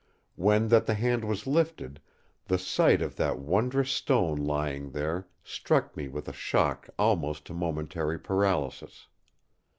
When that the hand was lifted, the sight of that wondrous stone lying there struck me with a shock almost to momentary paralysis.